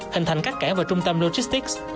hình thành các cảnh vào trung tâm logistics